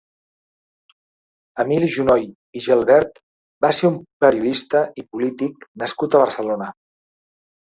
Emili Junoy i Gelbert va ser un periodista i polític nascut a Barcelona.